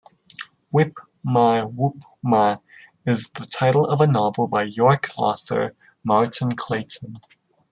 "Whip-Ma-Whop-Ma" is the title of a novel by York author Martyn Clayton.